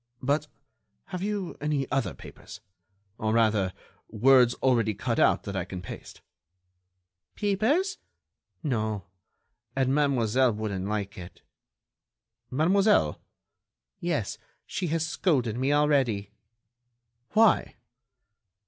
"But, have you any other papers?... Or, rather, words already cut out that I can paste?" "Papers?... No.... And Mademoiselle wouldn't like it." "Mademoiselle?" "Yes, she has scolded me already." "Why?"